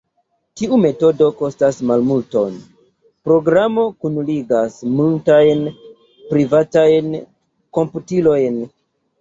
Tiu metodo kostas malmulton: Programo kunligas multajn privatajn komputilojn.